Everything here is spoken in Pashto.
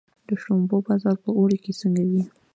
د شړومبو بازار په اوړي کې څنګه وي؟